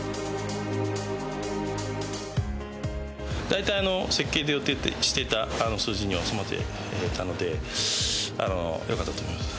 大体設計で予定していた数字に収まっていたので良かったと思います。